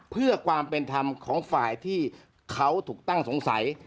เพื่อความเป็นธรรมของฝ่ายที่เขาถูกตั้งสงสัย